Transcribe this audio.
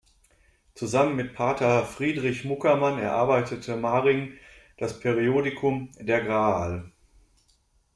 Zusammen mit Pater Friedrich Muckermann erarbeitete Maring das Periodikum: "Der Gral.